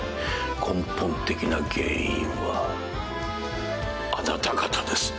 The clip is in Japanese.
根本的な原因はあなた方です。